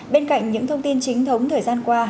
bên cạnh những thông tin chính thống thời gian qua